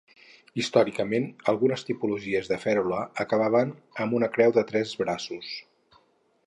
Històricament, algunes tipologies de fèrula acabaven amb una creu de tres braços.